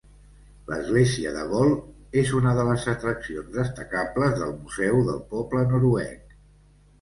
L'església de Gol és una de les atraccions destacables del Museu del Poble Noruec.